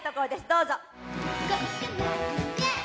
どうぞ！